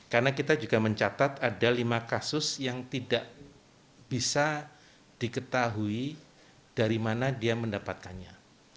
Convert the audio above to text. karena kita juga mencatat ada lima kasus yang tidak bisa diketahui dari mana dia mendapatkannya